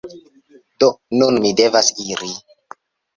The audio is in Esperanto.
Do, nun ni devas iri